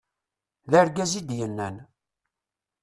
d argaz i d-yennan